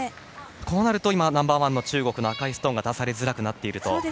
こうなるとナンバーワンの中国の赤いストーンが出されづらくなると。